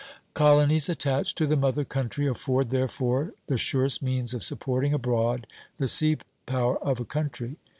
Colonies attached to the mother country afford, therefore, the surest means of supporting abroad the sea power of a country.